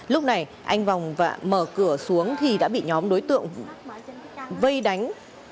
lúc này anh vòng mở cửa xuống thì đã bị nhóm đối tượng vây đánh